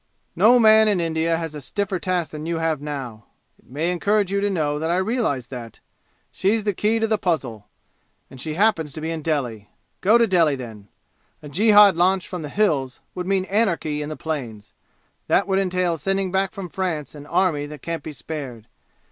"No man in India has a stiffer task than you have now! It may encourage you to know that I realize that! She's the key to the puzzle, and she happens to be in Delhi. Go to Delhi, then. A jihad launched from the 'Hills' would mean anarchy in the plains. That would entail sending back from France an army that can't be spared.